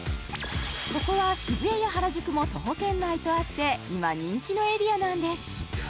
ここは渋谷や原宿も徒歩圏内とあって今人気のエリアなんです